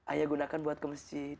ayah gunakan buat ke masjid